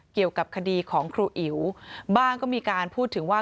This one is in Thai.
เกี่ยวกับคดีของครูอิ๋วบ้างก็มีการพูดถึงว่า